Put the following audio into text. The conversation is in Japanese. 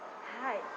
はい。